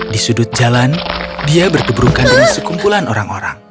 di sudut jalan dia bertuburkan dengan sekumpulan orang orang